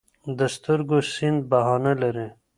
د سترګو سيند بهانه لري